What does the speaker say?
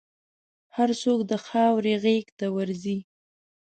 هر څوک د خاورې غېږ ته ورګرځي.